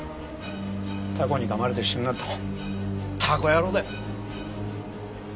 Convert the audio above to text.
タコに噛まれて死ぬなんてタコ野郎だよ！